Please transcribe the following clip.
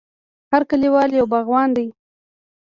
هر لیکوال یو باغوان دی.